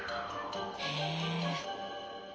へえ。